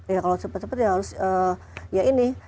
ya kalau cepat cepat ya harus ya ini